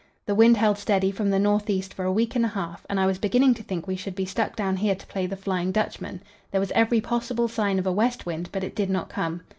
The wind held steady from the north east for a week and a half, and I was beginning to think we should be stuck down here to play the Flying Dutchman. There was every possible sign of a west wind, but it did not come.